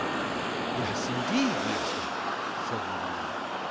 "Yes, indeed, master," said Morano.